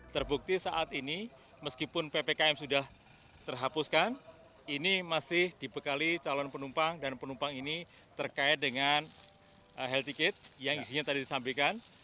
terbukti saat ini meskipun ppkm sudah terhapuskan ini masih dibekali calon penumpang dan penumpang ini terkait dengan health ticket yang isinya tadi disampaikan